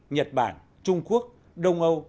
nhật bản trung quốc đông âu